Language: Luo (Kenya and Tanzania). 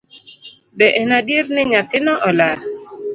Be en adier ni nyathino olal